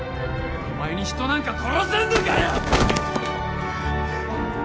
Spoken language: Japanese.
お前に人なんか殺せんのかよ？